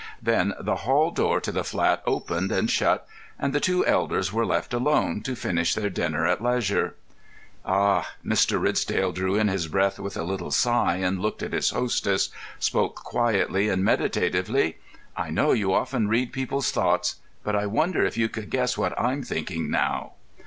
Then the hall door of the flat opened and shut, and the two elders were left alone to finish their dinner at leisure. "Ah!" Mr. Ridsdale drew in his breath with a little sigh, and, looking at his hostess, spoke quietly and meditatively. "I know you often read people's thoughts, but I wonder if you could guess what I'm thinking now?"